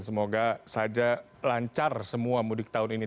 semoga saja lancar semua mudik tahun ini